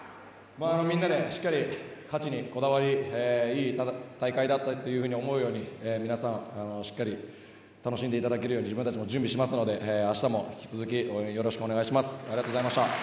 みんなでしっかり勝ちにこだわりいい大会だったと思うように皆さん、しっかり楽しんでいただけるように自分たちも準備しますのであしたも引き続き応援よろしくお願いします。